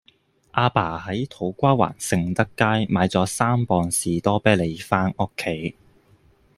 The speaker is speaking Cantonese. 亞爸喺土瓜灣盛德街買左三磅士多啤梨返屋企